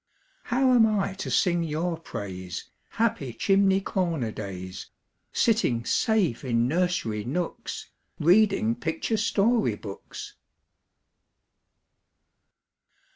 How am I to sing your praise, Happy chimney corner days, Sitting safe in nursery nooks, Reading picture story books?